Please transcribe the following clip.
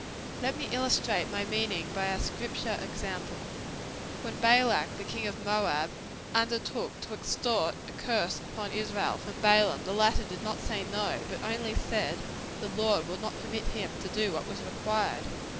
Let me illustrate my meaning by a Scripture example. When Balak, the king of Moab, undertook to extort a curse upon Israel, from Balaam, the latter did not say no; but only said, the Lord would not permit him to do what was required.